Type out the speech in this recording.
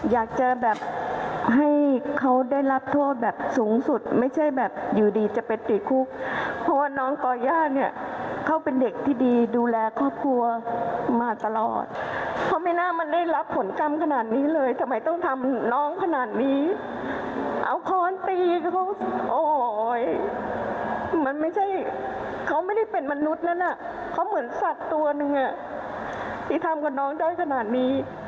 ที่ทำกับน้องได้ขนาดนี้